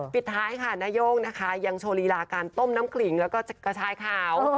ปิดท้ายค่ะนาย่งนะคะยังโชว์ลีลาการต้มน้ำขลิงแล้วก็กระชายขาว